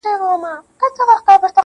سيدې يې نورو دې څيښلي او اوبه پاتې دي.